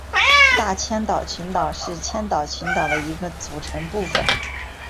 大千岛群岛是千岛群岛的一个组成部分。